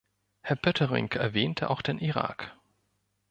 Herr Poettering erwähnte auch den Irak.